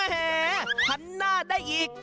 แหพันหน้าได้อีก